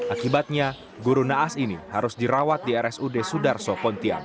akibatnya guru naas ini harus dirawat di rsud sudarso pontian